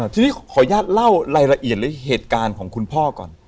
ทีนี้ขออนุญาตเล่ารายละเอียดหรือเหตุการณ์ของคุณพ่อก่อน